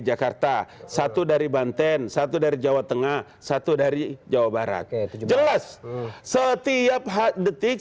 jakarta satu dari banten satu dari jawa tengah satu dari jawa barat jelas setiap detik